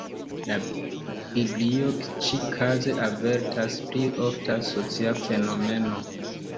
La biblio ĉi-kaze avertas pri ofta socia fenomeno.